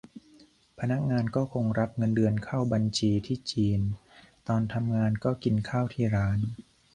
พนักงานก็คงรับเงินเดือนเข้าบัญชีที่จีน ตอนทำงานก็กินข้าวที่ร้าน